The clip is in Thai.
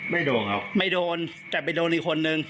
โดนครับไม่โดนแต่ไปโดนอีกคนนึง